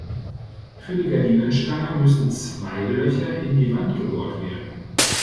Für die Gardinenstange müssen zwei Löcher in die Wand gebohrt werden.